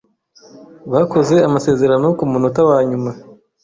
Bakoze amasezerano kumunota wanyuma.